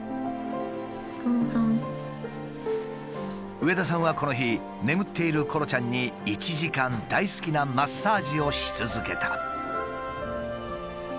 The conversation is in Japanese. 上田さんはこの日眠っているコロちゃんに１時間大好きなマッサージをし続けた。